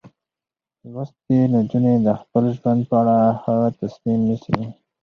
لوستې نجونې د خپل ژوند په اړه ښه تصمیم نیسي.